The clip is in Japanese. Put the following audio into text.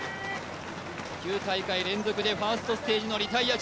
９大会連続でファーストステージのリタイア中。